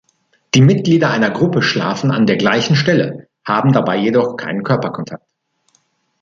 Die Mitglieder einer Gruppe schlafen an der gleichen Stelle, haben dabei jedoch keinen Körperkontakt.